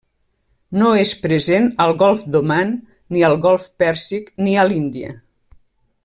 No és present al golf d'Oman, ni al golf Pèrsic ni a l'Índia.